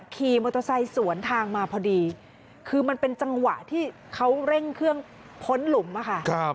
ขี่มอเตอร์ไซค์สวนทางมาพอดีคือมันเป็นจังหวะที่เขาเร่งเครื่องพ้นหลุมค่ะ